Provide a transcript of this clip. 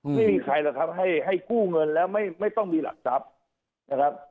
ไม่มีใครหรอกครับให้กู้เงินแล้วไม่ต้องมีหลักทรัพย์นะครับ